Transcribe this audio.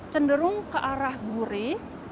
cenderung ke arah gurih